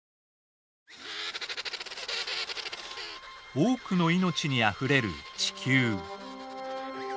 多くの命にあふれる地球。